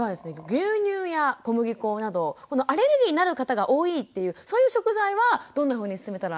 牛乳や小麦粉などこのアレルギーになる方が多いっていうそういう食材はどんなふうに進めたらいいですか？